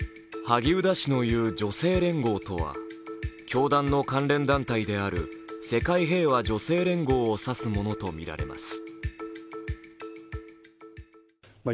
萩生田氏の言う女性連合とは、教団の関連団体である世界平和女性連合を指すものとみられます。